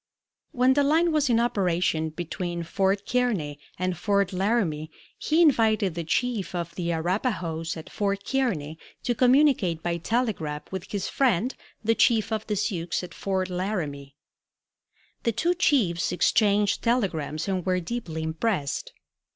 When the line was in operation between Fort Kearney and Fort Laramie he invited the chief of the Arapahoes at Fort Kearney to communicate by telegraph with his friend the chief of the Sioux at Fort Laramie. The two chiefs exchanged telegrams and were deeply impressed.